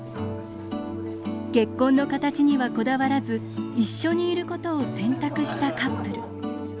結婚の形にはこだわらず一緒にいることを選択したカップル。